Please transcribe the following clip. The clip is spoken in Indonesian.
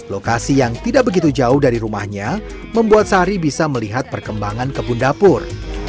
lokasi yang tidak begitu jauh dari rumahnya membuat sari bisa melihat perkembangan kebun dapur